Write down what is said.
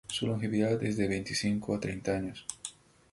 Su longevidad es de veinticinco a treinta años.